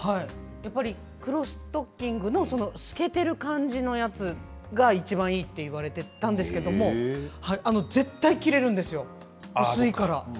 やっぱり黒ストッキング透けている感じのやつがいちばんいいと言われていたんですけれど絶対に切れるんですよ、薄いから。